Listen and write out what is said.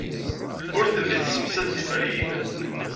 Ur telli tessemsad tiferyin.